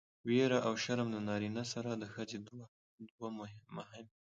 ويره او شرم له نارينه سره د ښځې دوه مهم